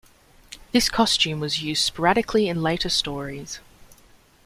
This costume was used sporadically in later stories.